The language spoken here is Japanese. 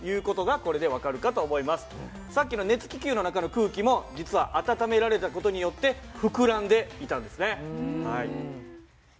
さっきの熱気球の中の空気も実は温められた事によって膨らんでいたんですね。